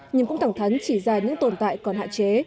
nhưng cũng thẳng thắn chỉ ra những tồn tại còn hạ chế